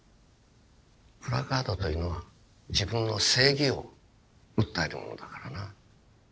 プラカードというのは自分の正義を訴えるものだからな。